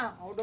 udah mati tuh